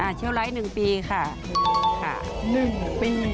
เชี่ยวไร้๑ปีค่ะ๑ปี๑ปี